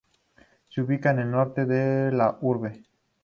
Se ubica en el norte de la urbe.